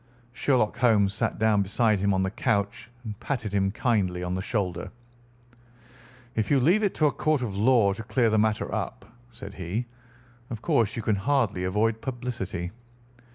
Sherlock Holmes sat down beside him on the couch and patted him kindly on the shoulder. "If you leave it to a court of law to clear the matter up," said he, "of course you can hardly avoid publicity.